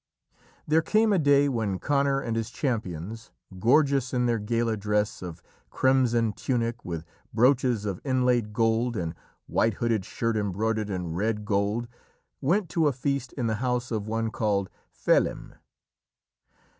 There came a day when Conor and his champions, gorgeous in their gala dress of crimson tunic with brooches of inlaid gold and white hooded shirt embroidered in red gold, went to a feast in the house of one called Felim.